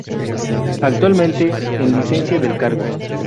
Actualmente en licencia del cargo.